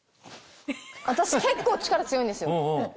私結構力強いんですよ。